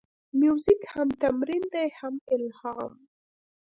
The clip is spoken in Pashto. موزیک هم تمرین دی، هم الهام.